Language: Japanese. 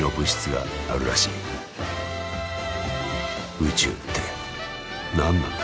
宇宙って何なんだ？